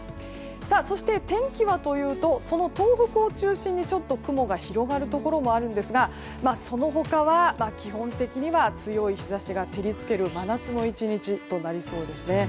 そして、天気はというとその東北を中心にちょっと雲が広がるところもあるんですがその他は基本的には強い日差しが照り付ける真夏の１日となりそうです。